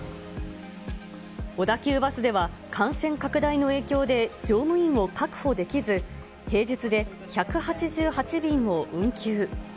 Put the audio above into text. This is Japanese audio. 小田急バスでは、感染拡大の影響で、乗務員を確保できず、平日で１８８便を運休。